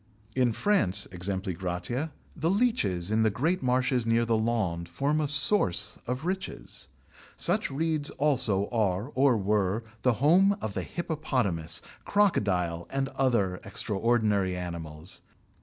In France, e.g., the leeches in the great marshes near the Landes form a source of riches. Such reeds also are or were the home of the hippopotamus, crocodile, and other extraordinary animals.